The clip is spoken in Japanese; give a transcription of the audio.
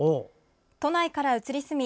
都内から移り住み